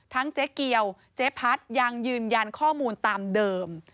เจ๊เกียวเจ๊พัดยังยืนยันข้อมูลตามเดิม